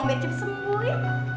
bencik sembuh ya